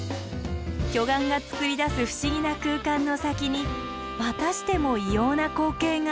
巨岩がつくり出す不思議な空間の先にまたしても異様な光景が。